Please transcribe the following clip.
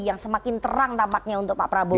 yang semakin terang tampaknya untuk pak prabowo